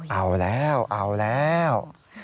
เอาแล้วเอาแล้ว